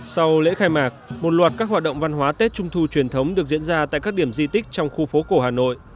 sau lễ khai mạc một loạt các hoạt động văn hóa tết trung thu truyền thống được diễn ra tại các điểm di tích trong khu phố cổ hà nội